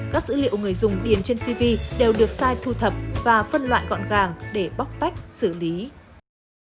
các dữ liệu người dùng điền trên cv đều được sai thu thập và phân loại gọn gàng để bóc tách xử lý